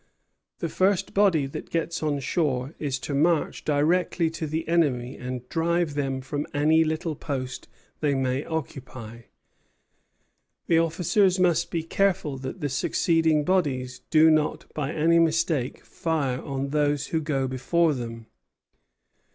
The first body that gets on shore is to march directly to the enemy and drive them from any little post they may occupy; the officers must be careful that the succeeding bodies do not by any mistake fire on those who go before them.